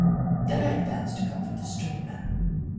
Then I advanced to comfort the stricken man.